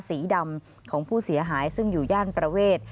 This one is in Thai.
สีดำของผู้เสียหายซึ่งอยู่ย่านประเวท